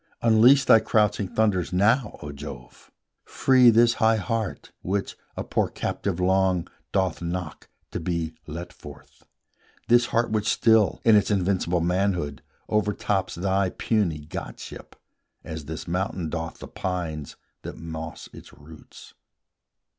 Unleash thy crouching thunders now, O Jove! Free this high heart, which, a poor captive long, Doth knock to be let forth, this heart which still, In its invincible manhood, overtops Thy puny godship, as this mountain doth The pines that moss its roots.